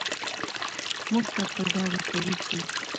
موږ ته په ډاګه کوي چې